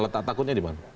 letak takutnya di mana